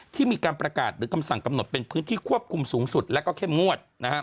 ที่มีการประกาศหรือคำสั่งกำหนดเป็นพื้นที่ควบคุมสูงสุดและก็เข้มงวด